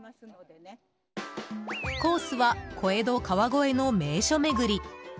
コースは、小江戸・川越の名所巡り。